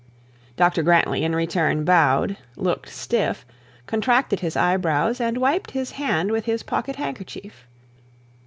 Dr Grantly in return bowed, looked stiff, contracted his eyebrows, and wiped his hand with his pocket handkerchief.